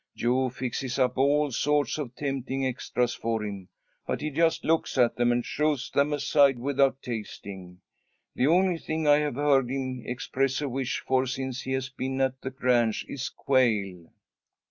Jo fixes up all sorts of tempting extras for him, but he just looks at them, and shoves them aside without tasting. The only thing I have heard him express a wish for since he has been at the ranch is quail."